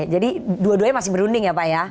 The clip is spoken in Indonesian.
jadi dua duanya masih berunding ya pak ya